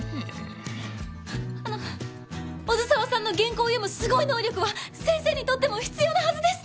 あの小豆沢さんの原稿を読むすごい能力は先生にとっても必要なはずです！